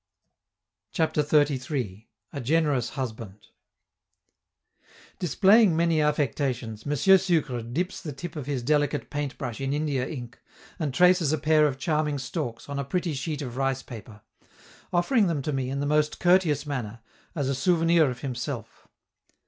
CHAPTER XXXIII. A GENEROUS HUSBAND Displaying many affectations, M. Sucre dips the tip of his delicate paint brush in India ink and traces a pair of charming storks on a pretty sheet of rice paper, offering them to me in the most courteous manner, as a souvenir of himself.